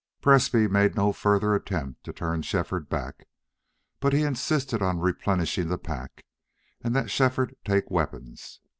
Presbrey made no further attempt to turn Shefford back. But he insisted on replenishing the pack, and that Shefford take weapons.